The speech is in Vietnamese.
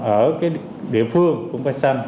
ở địa phương cũng phải xanh